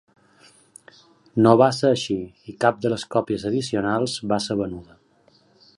No va ser així, i cap de les còpies addicionals va ser venuda.